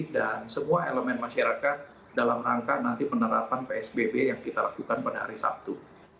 dan semua elemen masyarakat dalam rangka nanti penerapan psbb yang kita lakukan pada hari sabtu